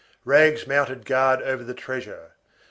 Rags mounted guard over the treasure.